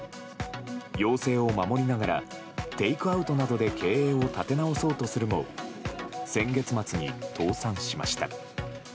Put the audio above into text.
要請を守りながらテイクアウトなどで経営を立て直そうとするも先月末に倒産しました。